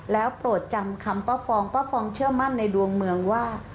แล้วโปรดจำคำป้าฟองป้าฟองเชื่อมั่นในดวงเมืองว่า